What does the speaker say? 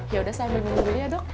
ya udah saya ambil bingung dulu ya dok